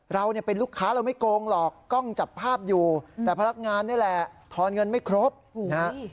เราเนี่ยเป็นลูกค้าเราไม่โกงหรอกกล้องจับภาพอยู่แต่พนักงานนี่แหละทอนเงินไม่ครบนะฮะ